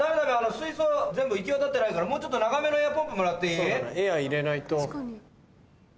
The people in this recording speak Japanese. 水槽全部行きわたってないからもうちょっと長めのエアーポンプもらっていい？